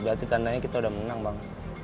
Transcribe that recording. berarti tandanya kita udah menang bang